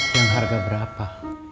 yang harga berapa